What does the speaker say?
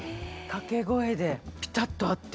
掛け声でピタッと合って。